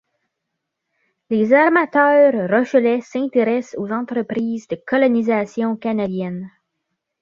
Les armateurs rochelais s’intéressèrent aux entreprises de colonisation canadienne.